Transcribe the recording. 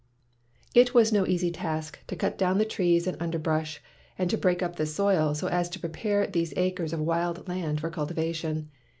It was no easy task to cut down the trees and underbrush and to break up the soil, so as to prepare these acres of wild land for cultivation.